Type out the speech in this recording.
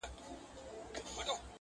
وازه خوله د مرګ راتللو ته تیار سو!.